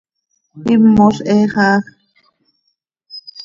Imoz he xaaj.